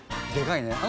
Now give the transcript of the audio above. でかいね。